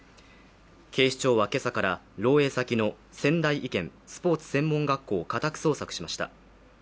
警視庁は今朝から漏えい先の仙台医健・スポーツ専門学校を家宅捜索しました。